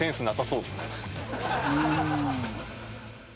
うん。